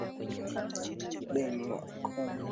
Abhaikoma Waikoma Abhangoreme Wangoreme Abhaisenye Waisenye